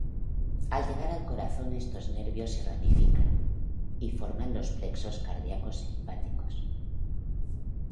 Al llegar al corazón estos nervios se ramifican y forman los plexos cardíacos simpáticos.